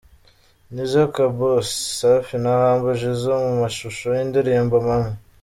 Nizzo Kabosi, Safi na Humble Jizzo mu mashusho y’indirimbo Mama